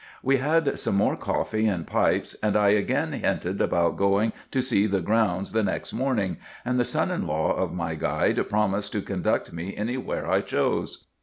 We had some more coffee and pipes, and I again hinted about going to see the grounds the next morning, and the son in law of my guide promised to conduct me any where I chose.